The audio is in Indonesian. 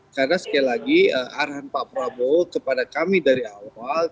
karena sekali lagi arahan pak prabowo kepada kami dari awal